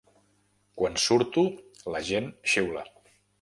Quan surto, la gent xiula.